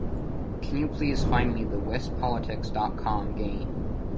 Can you please find me the Wispolitics.com game?